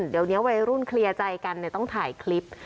เดี๋ยวนี้วัยรุ่นเคลียร์ใจกันต้องถ่ายคลิป